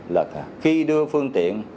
là khi đưa phương tiện